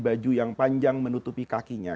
baju yang panjang menutupi kakinya